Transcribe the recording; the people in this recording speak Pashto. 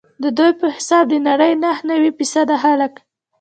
ددوی په حساب د نړۍ نهه نوي فیصده خلک.